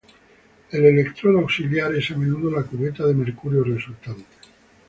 El electrodo auxiliar es a menudo la cubeta de mercurio resultante.